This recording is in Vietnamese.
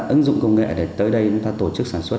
ứng dụng công nghệ để tới đây chúng ta tổ chức sản xuất